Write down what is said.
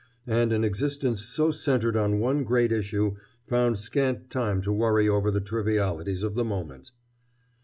And an existence so centered on one great issue found scant time to worry over the trivialities of the moment.